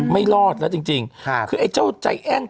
ไม่รอดแล้วจริงคือไอ้เจ้าใจแอ้ง